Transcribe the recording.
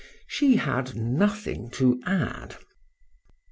—She had nothing to add.